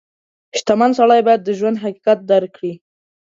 • شتمن سړی باید د ژوند حقیقت درک کړي.